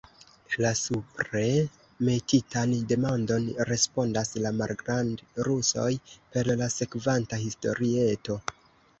La supre metitan demandon respondas la malgrand'rusoj per la sekvanta historieto.